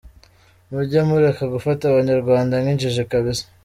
Mujye mureka gufata abanyarwanda nkinjiji kbs.